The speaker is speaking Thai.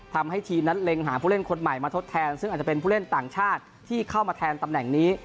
ทำให้ทีมนั้นเล็งหาผู้เล่นคนใหม่มาทดแทนซึ่งอาจจะเป็นผู้เล่นต่างชาติที่เข้ามาแทนตำแหน่งนี้